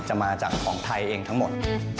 มาจากของไทยเองทั้งหมด